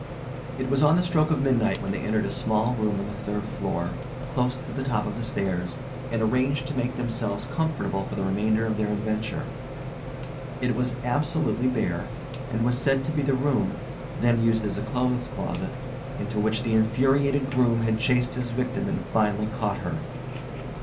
It was on the stroke of midnight when they entered a small room on the third floor, close to the top of the stairs, and arranged to make themselves comfortable for the remainder of their adventure. It was absolutely bare, and was said to be the room then used as a clothes closet into which the infuriated groom had chased his victim and finally caught her.